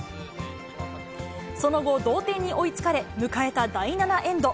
その後、同点に追いつかれ、迎えた第７エンド。